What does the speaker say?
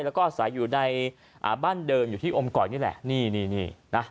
แล้วก็อาศัยอยู่ในบ้านเดิมอยู่ที่อำกรอยนี่แหละ